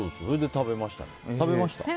食べました？